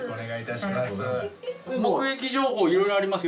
目撃情報いろいろありますよ